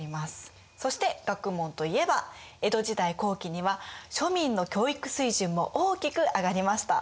そして学問といえば江戸時代後期には庶民の教育水準も大きく上がりました。